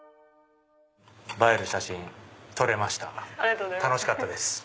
映える写真撮れました楽しかったです。